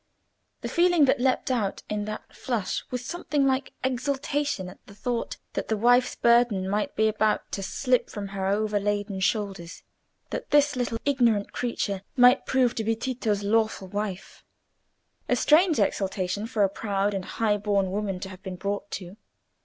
The feeling that leaped out in that flush was something like exultation at the thought that the wife's burden might be about to slip from her overladen shoulders; that this little ignorant creature might prove to be Tito's lawful wife. A strange exultation for a proud and high born woman to have been brought to!